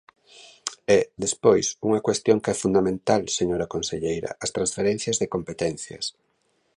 E, despois, unha cuestión que é fundamental, señora conselleira: as transferencias de competencias.